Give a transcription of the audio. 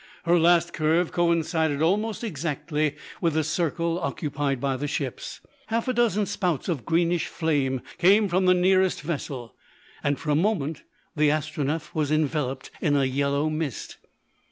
Her last curve coincided almost exactly with the circle occupied by the ships. Half a dozen spouts of greenish flame came from the nearest vessel, and for a moment the Astronef was enveloped in a yellow mist.